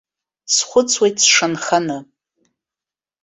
Схәыцуеит сшанханы.